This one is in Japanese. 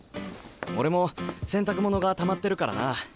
俺も洗濯物がたまってるからな。